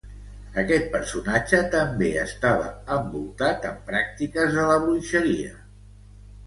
Aquest personatge també estava envoltat en pràctiques de la bruixeria.